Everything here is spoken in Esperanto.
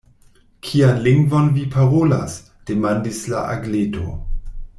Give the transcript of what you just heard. “Kian lingvon vi parolas?” demandis la Agleto.